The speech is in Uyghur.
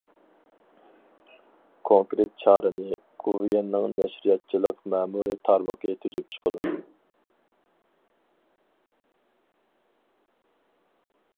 كونكرېت چارىنى گوۋۇيۈەننىڭ نەشرىياتچىلىق مەمۇرىي تارمىقى تۈزۈپ چىقىدۇ.